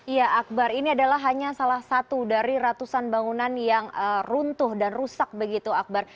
iya akbar ini adalah hanya salah satu dari ratusan bangunan yang runtuh dan rusak begitu akbar